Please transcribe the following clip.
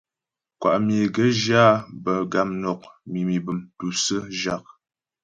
Kwá myə é gaə̌ zhyə áa bə̌ gamnɔk, mimî bəm, tûsə̀ə, zhâk.